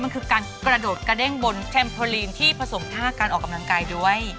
มันคือการกระโดดกระเด้งบนแคมเพอร์ลีนที่ผสมท่าการออกกำลังกายด้วย